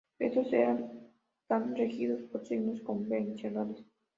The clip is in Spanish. Estos están regidos por signos convencionales.